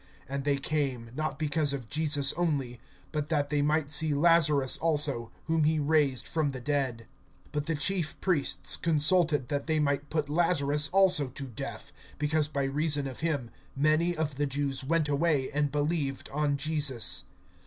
And they came, not because of Jesus only, but that they might see Lazarus also, whom he raised from the dead. (10)But the chief priests consulted that they might put Lazarus also to death; (11)because by reason of him many of the Jews went away, and believed on Jesus.